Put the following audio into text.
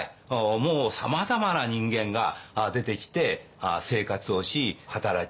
もうさまざまな人間が出てきて生活をし働き